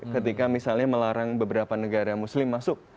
ketika misalnya melarang beberapa negara muslim masuk